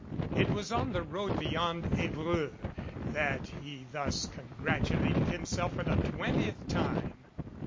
It was on the road beyond Evreux that he thus con gratulated himself for the twentieth time.